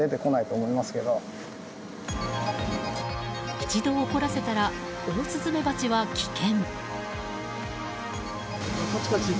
一度怒らせたらオオスズメバチは危険。